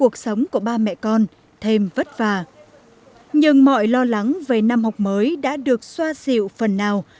trường mọi lo lắng về năm học mới đã được xoa xịu phần nào